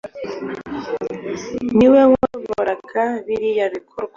niwe wayoboraga biriya bikorwa